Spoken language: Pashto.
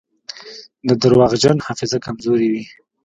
د درواغجن حافظه کمزورې وي.